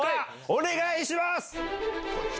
お願いします。